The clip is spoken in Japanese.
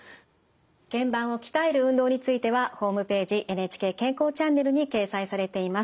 けん板を鍛える運動についてはホームページ「ＮＨＫ健康チャンネル」に掲載されています。